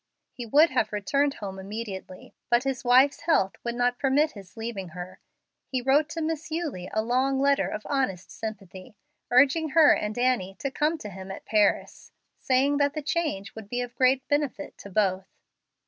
He would have returned home immediately, but his wife's health would not permit his leaving her. He wrote to Miss Eulie a long letter of honest sympathy, urging her and Annie to come to him at Paris, saying that the change would be of great benefit to both.